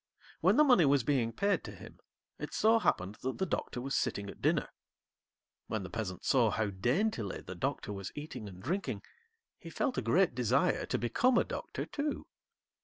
When the money was being paid to him, it so happened that the Doctor was sitting at dinner. When the Peasant saw how daintily the Doctor was eating and drinking, he felt a great desire to become a Doctor too.